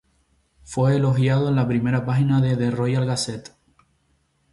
Fue elogiado en la primera página de "The Royal Gazette".